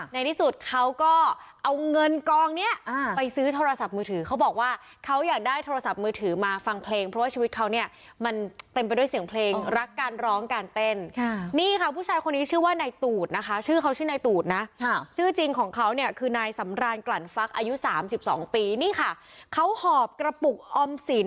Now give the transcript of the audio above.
ในที่สุดเขาก็เอาเงินกองนี้ไปซื้อโทรศัพท์มือถือเขาบอกว่าเขาอยากได้โทรศัพท์มือถือมาฟังเพลงเพราะว่าชีวิตเขาเนี่ยมันเต็มไปด้วยเสียงเพลงรักการร้องการเต้นนี่ค่ะผู้ชายคนนี้ชื่อว่านายตูดนะคะชื่อเขาชื่อนายตูดนะชื่อจริงของเขาเนี่ยคือนายสำรานกลั่นฟักอายุ๓๒ปีนี่ค่ะเขาหอบกระปุกออมสิน